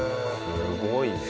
すごいな。